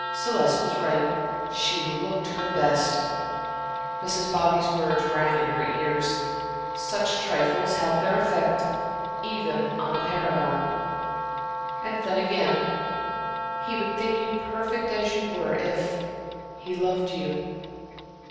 Celeste was right she looked her best. Mrs. Bobby's words rang in her ears. "Such trifles have their effect even on a paragon." And then again "He would think you perfect as you were if he loved you."